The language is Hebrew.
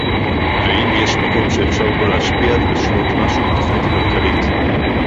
ואם יש מקום שאפשר בו להשפיע ולשנות משהו בתוכנית הכלכלית